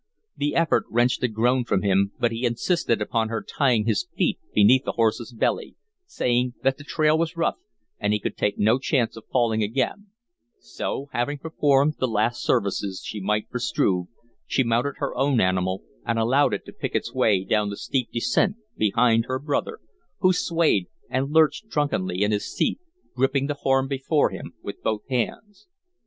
The effort wrenched a groan from him, but he insisted upon her tying his feet beneath the horse's belly, saying that the trail was rough and he could take no chance of falling again; so, having performed the last services she might for Struve, she mounted her own animal and allowed it to pick its way down the steep descent behind her brother, who swayed and lurched drunkenly in his seat, gripping the horn before him with both hands.